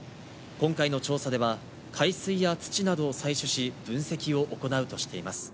今回の調査では、海水や土などを採取し、分析を行うとしています。